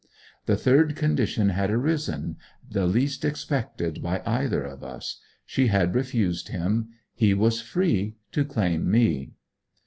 The third condition had arisen the least expected by either of us. She had refused him; he was free to claim me.